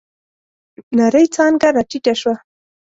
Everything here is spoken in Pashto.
نرۍ څانگه راټيټه شوه.